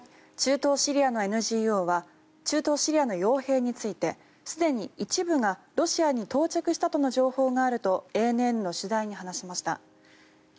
中東シリアのＮＧＯは中東シリアの傭兵についてすでに一部がロシアに到着したとの情報があるとＡＮＮの取材に話しました。